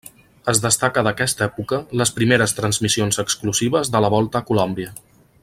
Es destaca d'aquesta època les primeres transmissions exclusives de la Volta a Colòmbia.